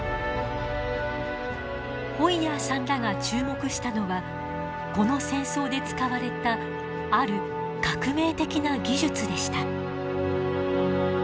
ホイヤーさんらが注目したのはこの戦争で使われたある革命的な技術でした。